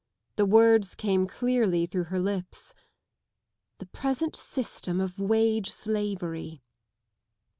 The words came clearly through her lips. ..." The present system of wage slavery ..."